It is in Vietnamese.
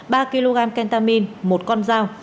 ba kg kentamin một con dao